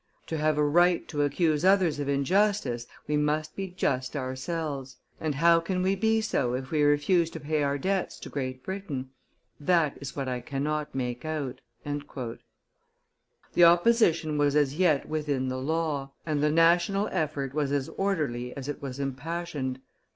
To have a right to accuse others of injustice, we must be just ourselves; and how can we be so if we refuse to pay our debts to Great Britain? That is what I cannot make out." The opposition was as yet within the law, and the national effort was as orderly as it was impassioned.